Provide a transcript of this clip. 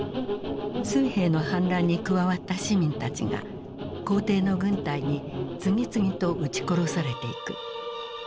水兵の反乱に加わった市民たちが皇帝の軍隊に次々と撃ち殺されていく。